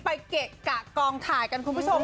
เกะกะกองถ่ายกันคุณผู้ชม